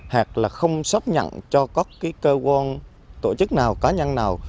hoặc là không xác nhận cho các cơ quan tổ chức nào cá nhân nào